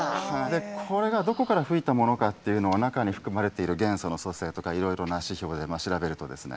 これがどこから噴いたものかというのは中に含まれている元素の組成とかいろいろな指標で調べるとですね